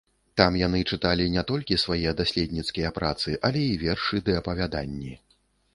Там яны чыталі не толькі свае даследніцкія працы, але і вершы ды апавяданні.